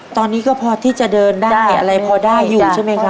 ตอนนี้ก็พอที่จะเดินได้อะไรพอได้อยู่ใช่ไหมครับ